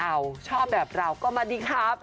ทำไมก็เลือกเอาชอบแต่แบบเราก็มาดีครับ